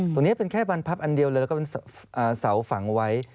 ตรงนี้เป็นแค่บรรพับอันเดียวเลยแล้วก็เป็นเสาฝังไว้